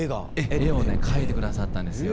絵をね描いて下さったんです。